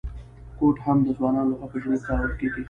کوټ هم د ځوانانو لخوا په ژمي کي کارول کیږي.